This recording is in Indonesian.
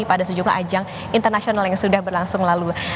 pada sejumlah ajang internasional yang sudah berlangsung lalu